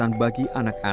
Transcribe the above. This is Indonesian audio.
dan dasarnya kami mengajukan